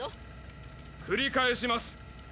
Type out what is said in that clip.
くり返します。